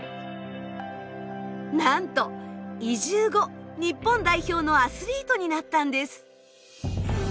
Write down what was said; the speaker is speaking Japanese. なんと移住後日本代表のアスリートになったんです。